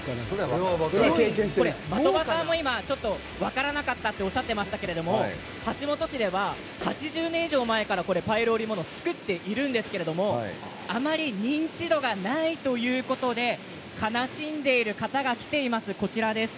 的場さんも分からなかったとおっしゃっていましたけれども橋本市では８０年以上前からパイル織物を作っているんですけれどあまり認知度がないということで悲しんでいる方が来ています。